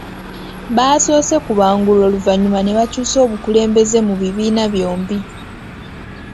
Baasoose kubangulwa n'oluvannyuma ne bakyusa obukulembeze mu bibiina byombi